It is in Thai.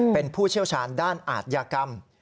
เป็นผู้เชี่ยวชาญด้านอาทยากรรม